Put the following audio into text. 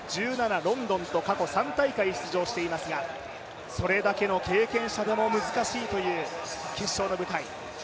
ロンドンと過去３大会出場していますが、それだけの経験者でも難しいという決勝の舞台。